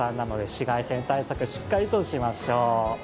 紫外線対策、しっかりとしましょう。